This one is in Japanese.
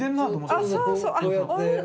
あっそうそう。